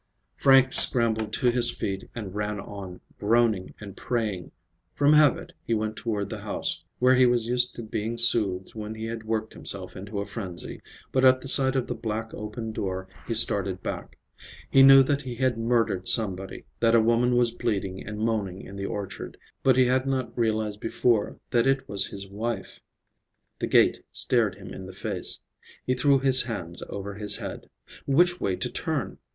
Frank scrambled to his feet and ran on, groaning and praying. From habit he went toward the house, where he was used to being soothed when he had worked himself into a frenzy, but at the sight of the black, open door, he started back. He knew that he had murdered somebody, that a woman was bleeding and moaning in the orchard, but he had not realized before that it was his wife. The gate stared him in the face. He threw his hands over his head. Which way to turn?